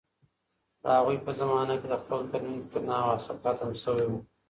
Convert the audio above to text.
د هغوی په زمانه کې د خلکو ترمنځ کینه او حسد ختم شوی و.